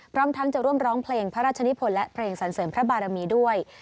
พร้อมทั้งจะร่วมร้องเพลงพระราชนิพลและเพลงสรรเสริมพระบารมีด้วย